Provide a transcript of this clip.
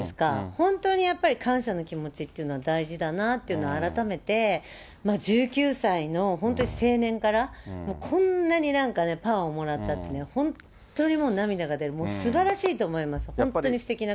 本当にやっぱり感謝の気持ちっていうのは大事だなぁっていうのは、改めて、１９歳の本当に青年からもう、こんなになんかね、パワーをもらったってね、本当にもう涙が出る、もうすばらしいと思います。